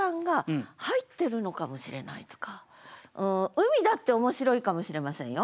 「海」だって面白いかもしれませんよ。